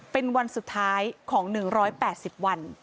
เป็นวันสุดท้ายของ๑๘๐วัน